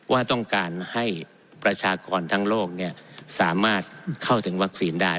ว่าต้องการให้ประชากรทั้งโลกสามารถเข้าถึงวัคซีนได้